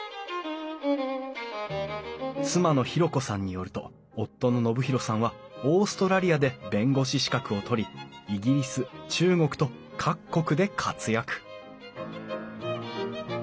妻の裕子さんによると夫の信博さんはオーストラリアで弁護士資格を取りイギリス中国と各国で活躍！